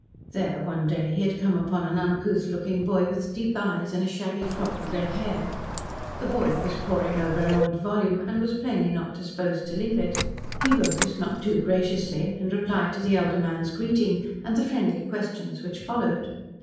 There, one day, he had come upon an uncouth looking boy with deep eyes and a shaggy crop of red hair. The boy was poring over an old volume, and was plainly not disposed to leave it. He rose, not too graciously, and replied to the elder man's greeting, and the friendly questions which followed.